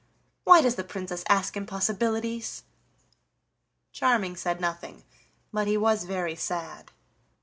Why does the Princess ask impossibilities?" Charming said nothing, but he was very sad.